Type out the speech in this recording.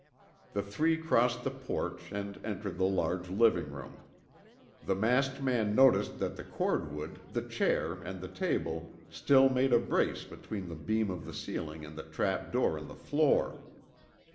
The three crossed the porch and entered the large living room. The masked man noticed that the cordwood, the chair, and the table still made a brace between the beam of the ceiling and the trapdoor in the floor.